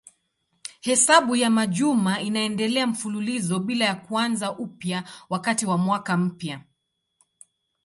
Hesabu ya majuma inaendelea mfululizo bila ya kuanza upya wakati wa mwaka mpya.